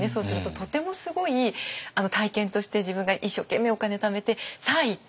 とてもすごい体験として自分が一生懸命お金ためてさあ行った！